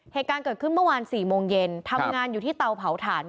เหตุการณ์เกิดขึ้นเมื่อวาน๔โมงเย็นทำงานอยู่ที่เตาเผาถ่าน